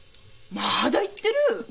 まだ言ってる！